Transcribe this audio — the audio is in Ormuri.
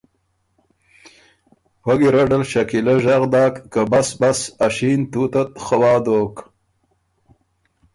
پۀ ګیرډل شکیلۀ ژغ داک که بس بس ا شین تُوتت خوا دوک۔